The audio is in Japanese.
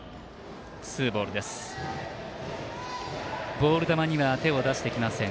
ボール球には手を出してきません。